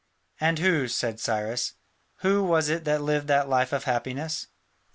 "And who," said Cyrus, "who was it that lived that life of happiness?"